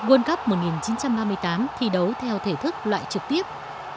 world cup một nghìn chín trăm ba mươi tám thi đấu theo thể thức loại trực tiếp